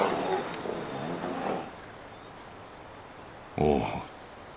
おお！